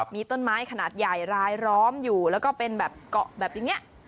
มีต้นไม้ขนาดใหญ่รายล้อมอยู่แล้วก็เป็นแบบเกาะแบบอย่างนี้